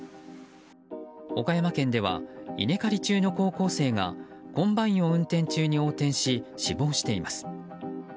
岡山県では稲刈り中の高校生がコンバインを運転中に横転し死亡しています。